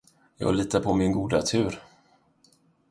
Jag litar på min goda tur.